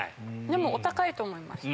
でもお高いと思います。